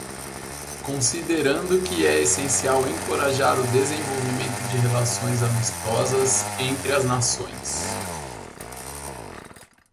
Considerando que é essencial encorajar o desenvolvimento de relações amistosas entre as nações;